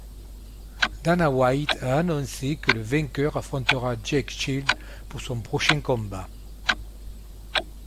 Dana White a annoncé que le vainqueur affrontera Jake Shields pour son prochain combat.